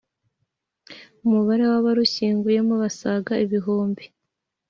, umubare w’abarushyinguyemo basaga ibihumbi